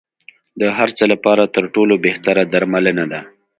د هر څه لپاره تر ټولو بهتره درملنه ده.